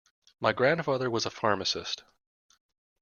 My grandfather was a pharmacist.